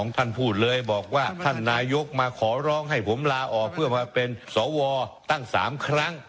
ท่านพูดเลยบอกว่าท่านนายกมาขอร้องให้ผมลาออกเพื่อมาเป็นสวตั้ง๓ครั้ง